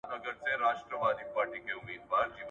د سياسي کړنلارو روښانتيا د خلګو باور نور هم زياتوي.